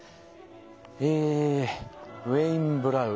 えウエインブラウ。